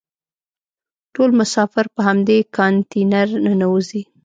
ټول مسافر په همدې کانتینر ننوزي.